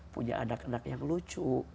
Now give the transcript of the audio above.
punya anak anak yang lucu